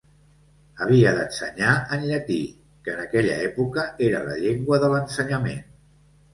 Havia d'ensenyar en llatí, que en aquella època era la llengua de l'ensenyament.